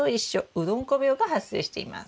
うどんこ病が発生しています。